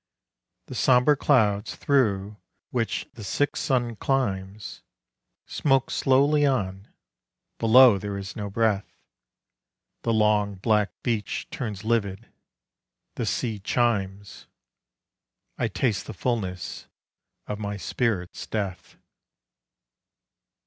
The sombre clouds through which the sick sun climbs Smoke slowly on. Below there is no breath. The long black beach turns livid. The sea chimes. I taste the fulness of my spirit's death.